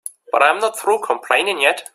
But I'm not through complaining yet.